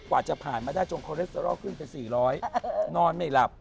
กว่าจะผ่านมาได้จนคอเลสเตอรอลขึ้นไป๔๐๐นอนไม่หลับ